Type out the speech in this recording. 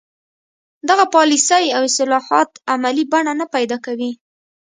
دغه پالیسۍ او اصلاحات عملي بڼه نه پیدا کوي.